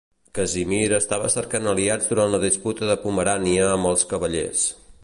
Casimir estava cercant aliats durant la disputa de Pomerània amb els Cavallers.